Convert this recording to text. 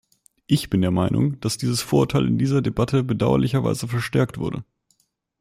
Ich bin der Meinung, dass dieses Vorurteil in dieser Debatte bedauerlicherweise verstärkt wurde.